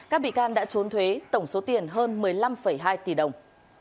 các bị can đã trốn thuế tổng số tiền hơn một mươi năm hai tỷ đồng